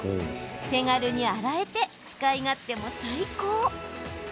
手軽に洗えて使い勝手も最高。